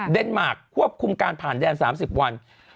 มาร์คควบคุมการผ่านแดน๓๐วัน